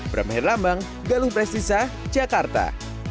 pramahir rambang galung prestisa jakarta